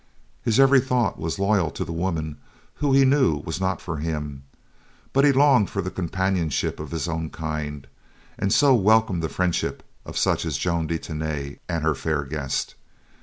His every thought was loyal to the woman who he knew was not for him, but he longed for the companionship of his own kind and so welcomed the friendship of such as Joan de Tany and her fair guest.